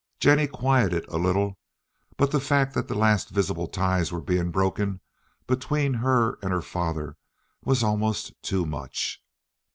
Jennie quieted a little, but the fact that the last visible ties were being broken between her and her father was almost too much.